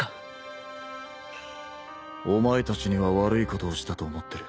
お前たちには悪いことをしたと思ってる。